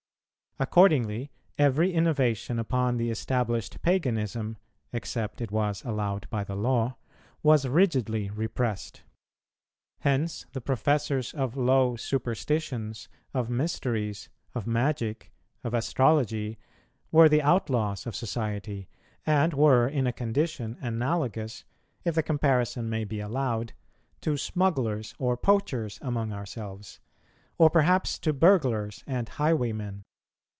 Accordingly, every innovation upon the established paganism, except it was allowed by the law, was rigidly repressed. Hence the professors of low superstitions, of mysteries, of magic, of astrology, were the outlaws of society, and were in a condition analogous, if the comparison may be allowed, to smugglers or poachers among ourselves, or perhaps to burglars and highwaymen.